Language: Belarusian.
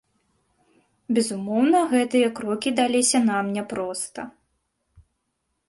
Безумоўна, гэтыя крокі даліся нам няпроста.